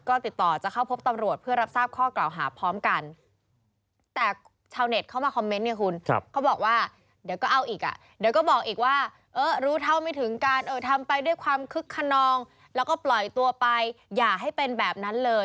ก็ติดต่อจะเข้าพบตำรวจเพื่อรับทราบข้อกล่าวหาพร้อมกัน